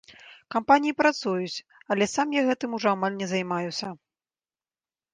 Кампаніі працуюць, але сам я гэтым ужо амаль не займаюся.